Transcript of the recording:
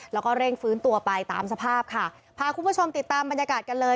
แล้วก็เร่งฟื้นตัวไปตามสภาพค่ะพาคุณผู้ชมติดตามบรรยากาศกันเลย